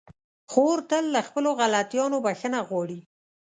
خور تل له خپلو غلطيانو بخښنه غواړي.